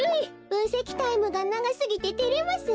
ぶんせきタイムがながすぎててれますねえ。